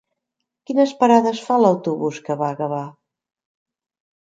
Quines parades fa l'autobús que va a Gavà?